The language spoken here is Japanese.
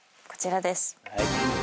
こちらです。